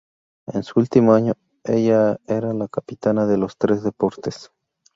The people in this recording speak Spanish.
En su último año, ella era la capitana de los tres deportes.